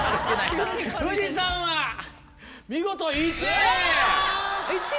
富士山は見事１位！